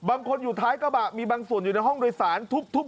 บางคนอยู่ภายกระบะมีบางส่วนอยู่ในห้องโดยสาร